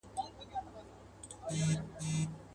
توپاني سوه ډوبېدو ته سوه تیاره.